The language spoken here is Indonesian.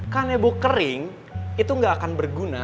kanebo kering itu gak akan berguna